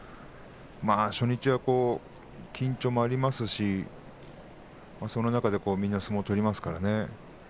初日は緊張もありますしその中で、みんな相撲を取りますからね。